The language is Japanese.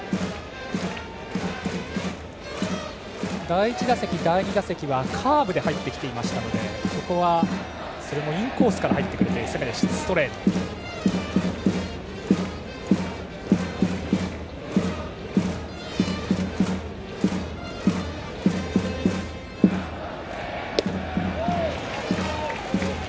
第１打席、第２打席はカーブで入ってきていましたのでここは、それもインコースから入ってくるストレートという攻め。